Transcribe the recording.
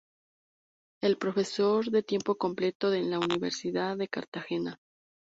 Profesor de tiempo completo en la Universidad de Cartagena.